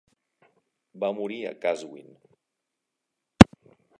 Va morir a Qazwin.